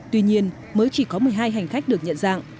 tuy nhiên mới chỉ có một mươi hai hành khách được nhận dạng